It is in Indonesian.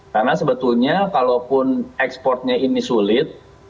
karena sebetulnya kalaupun ekspornya ini sulit